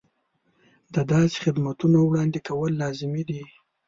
د داسې خدمتونو وړاندې کول لازمي دي.